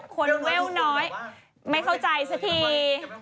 แว่วน้อยไม่เข้าใจสักที